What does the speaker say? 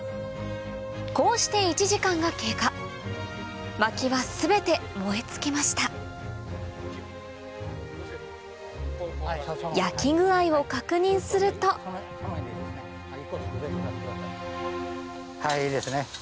こうして１時間が経過薪は全て燃え尽きました焼き具合を確認するといいですね。